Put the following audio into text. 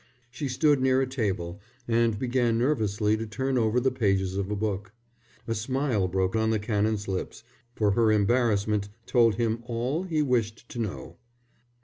She stood near a table, and began nervously to turn over the pages of a book. A smile broke on the Canon's lips, for her embarrassment told him all he wished to know.